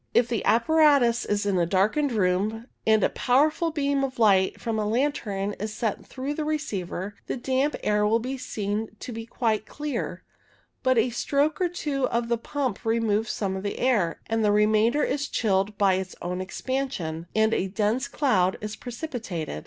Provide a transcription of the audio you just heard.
If the apparatus is in a darkened room, and a powerful beam of light from a lantern is sent through the receiver, the damp air will be seen to be quite clear ; but a stroke or two of the pump removes some of the air, the remainder is chilled by its own expansion, and a dense cloud is precipi tated.